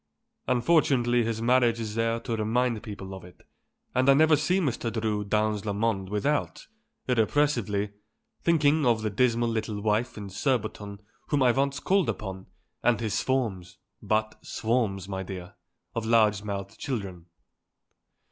Unfortunately his marriage is there to remind people of it, and I never see Mr. Drew dans le monde without, irrepressibly, thinking of the dismal little wife in Surbiton whom I once called upon, and his swarms but swarms, my dear of large mouthed children."